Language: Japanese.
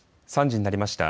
３時になりました。